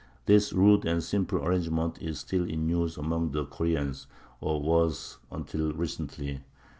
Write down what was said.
This rude and simple arrangement is still in use among the Koreans—or was until recently.